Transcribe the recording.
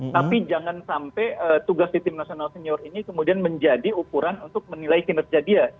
tapi jangan sampai tugas di tim nasional senior ini kemudian menjadi ukuran untuk menilai kinerja dia